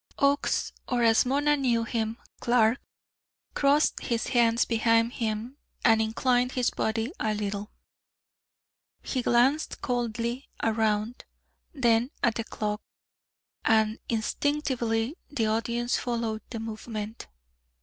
Oakes, or, as Mona knew him, Clark, crossed his hands behind him and inclined his body a little. He glanced coldly around, then at the clock, and instinctively the audience followed the movement.